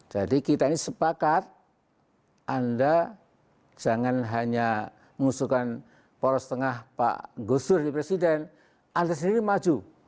jadi kita ini sepakat anda jangan hanya mengusulkan poros tengah pak gusur di presiden anda sendiri maju